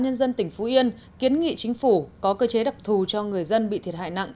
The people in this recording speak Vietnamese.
nhân dân tỉnh phú yên kiến nghị chính phủ có cơ chế đặc thù cho người dân bị thiệt hại nặng